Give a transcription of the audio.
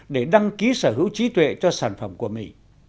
để đăng ký sở hữu trí tuệ cho sản phẩm của mỹ